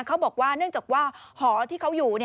เขาบอกว่าเนื่องจากว่าหอที่เขาอยู่